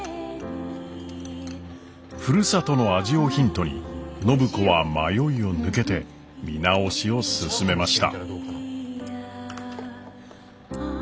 ふるさとの味をヒントに暢子は迷いを抜けて見直しを進めました。